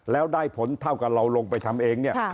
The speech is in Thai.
แล้วได้ผลเท่ากับเราลงไปทำเองเนี่ย